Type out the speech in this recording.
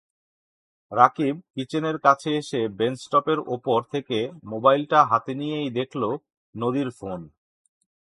রাকিব কিচেনের কাছে এসে বেঞ্চটপের ওপর থেকে মোবাইলটা হাতে নিয়েই দেখল, নদীর ফোন।